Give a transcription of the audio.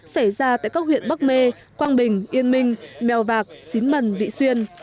xảy ra tại các huyện bắc mê quang bình yên minh mèo vạc xín mần vị xuyên